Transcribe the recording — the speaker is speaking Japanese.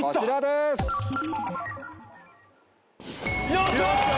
よっしゃ！